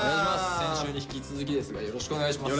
先週に引き続きですがよろしくお願いします。